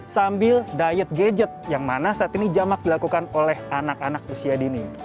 sambil diet gadget yang mana saat ini jamak dilakukan oleh anak anak usia dini